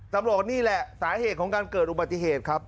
ตำรวจนี่แหละสาเหตุของการเกิดอุบัติเหตุครับ